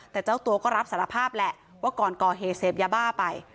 แต่เจ้าตัวก็รับสารภาพแหละว่าก่อนก่อเหตุเสพยาบ้าไป